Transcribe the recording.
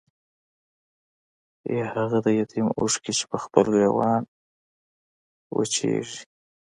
يا هاغه د يتيم اوښکې چې پۀ خپل ګريوان وچيږي